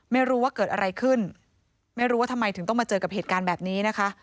ไม่รู้ว่าเกิดอะไรขึ้นไม่รู้ว่าทำไมถึงต้องมาเจอกับเหตุการณ์แบบนี้นะคะ